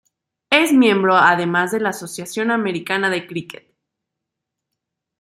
Es miembro además de la Asociación Americana de Críquet.